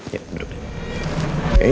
yuk duduk deh